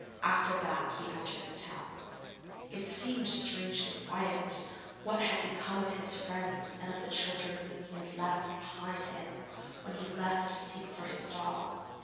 After that he entered the town. It seemed strangely quiet. What had become of all his friends and of the children whom he had left behind him when he left to seek for his dog?